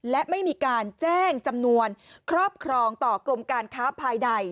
และไม่มีการแจ้งจำนวนครอบครองต่อกรมการค้าภายใน